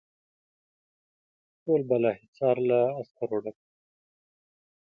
ټول بالاحصار له عسکرو ډک وو.